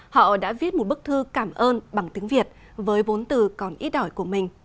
họ đã viết một bức thư cảm ơn bằng tiếng việt với bốn từ còn ít đổi của mình